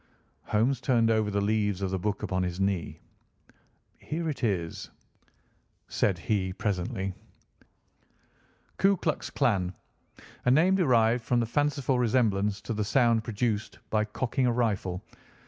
Holmes turned over the leaves of the book upon his knee. "Here it is," said he presently: "'Ku Klux Klan. A name derived from the fanciful resemblance to the sound produced by cocking a rifle.